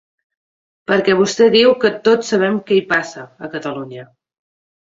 Perquè vostè diu que ‘tots sabem què hi passa, a Catalunya’.